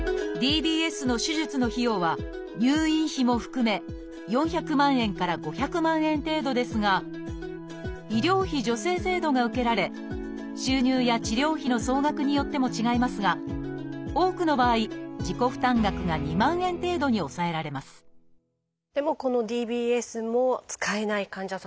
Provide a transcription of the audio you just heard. ＤＢＳの手術の費用は入院費も含め４００万円から５００万円程度ですが医療費助成制度が受けられ収入や治療費の総額によっても違いますが多くの場合自己負担額が２万円程度に抑えられますでもこのＤＢＳも使えない患者さんというのもいらっしゃいます。